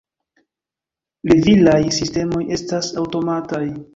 Levilaj sistemoj estas aŭtomataj.